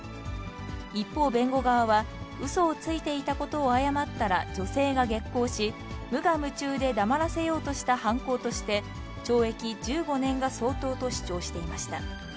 一方、弁護側はうそをついていたことを謝ったら、女性が激高し、無我夢中で黙らせようとした犯行として、懲役１５年が相当と主張していました。